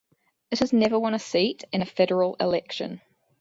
It has never won a seat in a federal election.